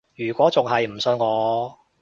如果仲係唔信我